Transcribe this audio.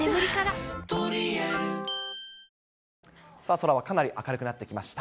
空はかなり明るくなってきました。